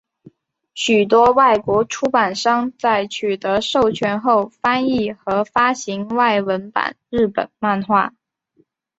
许多外国出版商在取得授权后翻译和发行外文版日本漫画。